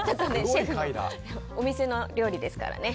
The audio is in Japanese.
お店の料理ですから。